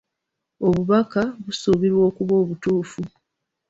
Obubaka busuubirwa okuba obutuufu.